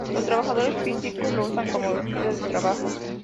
Los trabajadores físicos lo usan como vestido de trabajo.